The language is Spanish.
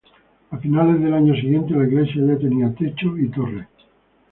A finales del año siguiente la iglesia ya tenía techo y torre.